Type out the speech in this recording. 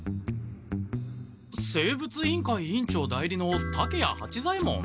生物委員会委員長代理の竹谷八左ヱ門！？